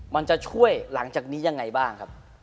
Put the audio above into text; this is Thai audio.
มันจะช่วยหลังจากนี้ยังไงบ้างครับ